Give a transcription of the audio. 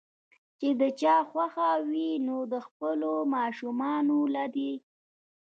چې د چا خوښه وي نو خپلو ماشومانو له دې